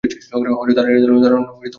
হযরত Ali রাযিয়াল্লাহু আনহুও তার সাথে ছিলেন।